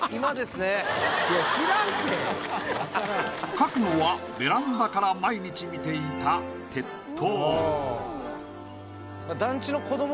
描くのはベランダから毎日見ていた鉄塔。